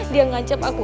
dia ngancep aku